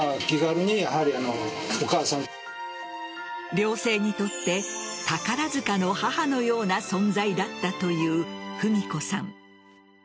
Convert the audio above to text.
寮生にとって宝塚の母のような存在だったという史子さん。